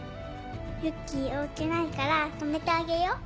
ユッキーお家ないから泊めてあげよう？